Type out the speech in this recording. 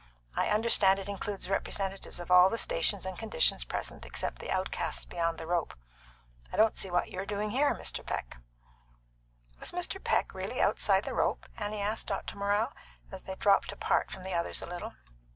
I understand it includes representatives of all the stations and conditions present except the outcasts beyond the rope. I don't see what you're doing here, Mr. Peck." "Was Mr. Peck really outside the rope?" Annie asked Dr. Morrell, as they dropped apart from the others a little.